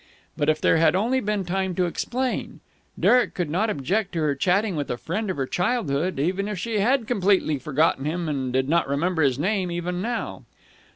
But if there had only been time to explain.... Derek could not object to her chatting with a friend of her childhood, even if she had completely forgotten him and did not remember his name even now.